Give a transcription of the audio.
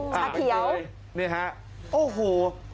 ชาเคียว